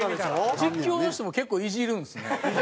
実況の人も結構イジるんですね。